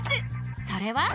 ［それは］